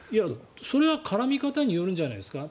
それは絡み方によるんじゃないですか。